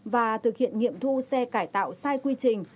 và thực hiện nghiệm thu xe cải tạo sai quy trình